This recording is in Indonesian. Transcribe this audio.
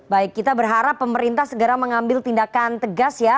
baik kita berharap pemerintah segera mengambil tindakan tegas ya